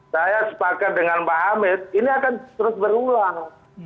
saya sepakat dengan pak hamid ini akan terus berulang